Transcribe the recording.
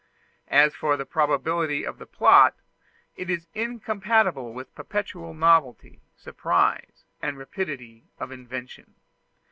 As for the probability of the plot, it is incompatible with perpetual novelty, surprise, and rapidity of invention.